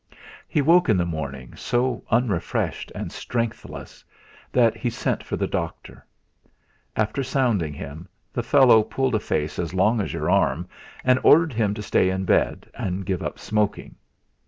He woke in the morning so unrefreshed and strengthless that he sent for the doctor. After sounding him, the fellow pulled a face as long as your arm, and ordered him to stay in bed and give up smoking.